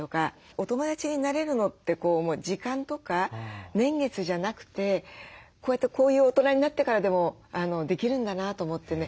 お友だちになれるのって時間とか年月じゃなくてこうやってこういう大人になってからでもできるんだなと思ってね